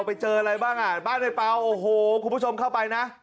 ไปเจออะไรบ้างอ่ะบ้านในเปล่าโอ้โหคุณผู้ชมเข้าไปนะ